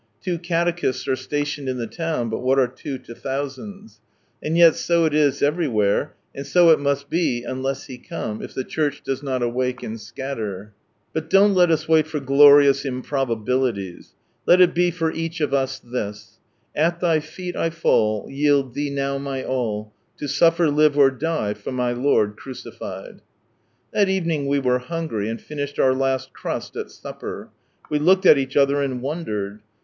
Two catechists are stationed in the town, but what are two to thousands ? And yet so it is every where, and so it i scatter. But don't let From Sunrise Land lust be {unless He come,) if the Church does not awake and us wait for glorious improbabilities. Let it be for each of us "At Thy feet I fall. Yield Thee now my all, To suffer, live, or die For aiy Lord crncified." That evening we were hungry, and finished our last crust at supper. We looked at each other, and wondered.